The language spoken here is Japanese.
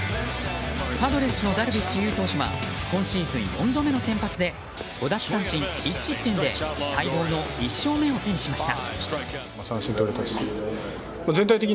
パドレスのダルビッシュ有投手は今シーズン４度目の先発で５奪三振１失点で待望の１勝目を手にしました。